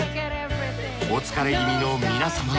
お疲れ気味の皆様。